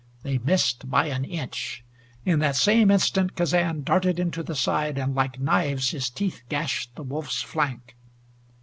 They missed by an inch. In that same instant Kazan darted in to the side, and like knives his teeth gashed the wolf's flank.